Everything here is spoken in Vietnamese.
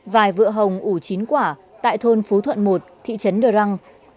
vài vợ hồng ủ chín quả tại thôn phú thuận một thị trấn đờ răng